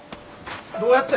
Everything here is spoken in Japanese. どうやって？